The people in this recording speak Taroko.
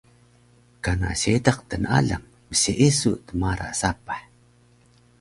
kana seediq tnalang mseesu mtara sapah